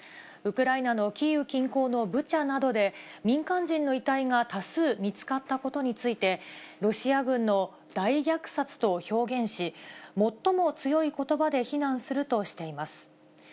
ウクライナのキーウ近郊のブチャなどで、民間人の遺体が多数見つかったことについて、ロシア軍の大虐殺と表現し、最も強いことばで非難するとしています。